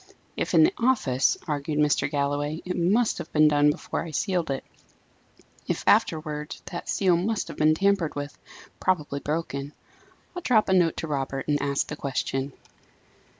"If in the office," argued Mr. Galloway, "it must have been done before I sealed it; if afterwards, that seal must have been tampered with, probably broken. I'll drop a note to Robert, and ask the question."